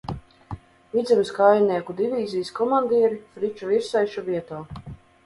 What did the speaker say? Vidzemes kājnieku divīzijas komandieri Friča Virsaiša vietā.